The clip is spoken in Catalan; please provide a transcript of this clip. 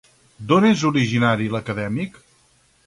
D'on és originari l'acadèmic?